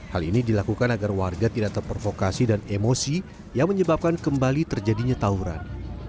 hal ini dilakukan agar warga tidak terprovokasi dan emosi yang menyebabkan kembali terjadinya tawuran